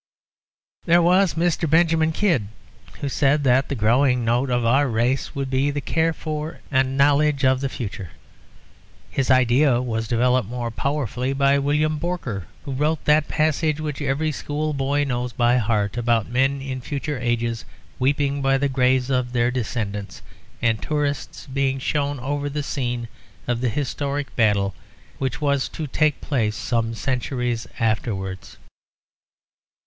There was Mr. Benjamin Kidd, who said that the growing note of our race would be the care for and knowledge of the future. His idea was developed more powerfully by William Borker, who wrote that passage which every schoolboy knows by heart, about men in future ages weeping by the graves of their descendants, and tourists being shown over the scene of the historic battle which was to take place some centuries afterwards.